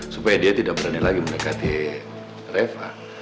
supaya dia tidak berani lagi mendekati reva